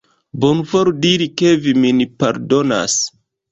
Bonvolu diri ke vi min pardonas.